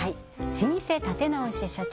老舗立て直し社長